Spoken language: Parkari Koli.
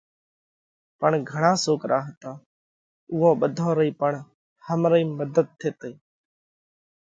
پڻ گھڻا سوڪرا هتا، اُوئون ٻڌون رئِي پڻ همرئيم مڌت ٿيتئي۔